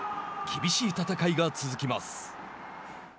厳しい戦いが続きます。